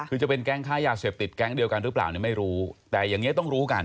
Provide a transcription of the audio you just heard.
คือจะเป็นแก๊งค้ายาเสพติศแก๊งเดียวกันรึเปล่าเนี่ยไม่รู้